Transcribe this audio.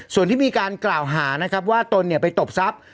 ส่วนที่มีการกล่าวหานะครับว่าตนไปตบทรัพย์